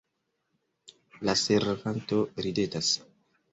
La servanto ridetas.